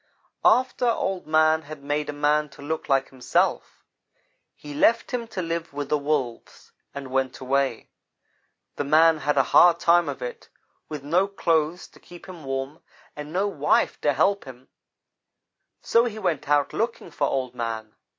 "After Old man had made a man to look like himself, he left him to live with the Wolves, and went away. The man had a hard time of it, with no clothes to keep him warm, and no wife to help him, so he went out looking for Old man.